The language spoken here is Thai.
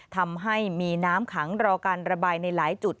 ทำให้มีน้ำขังรอการระบายในหลายจุด